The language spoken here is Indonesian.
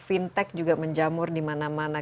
fintech juga menjamur di mana mana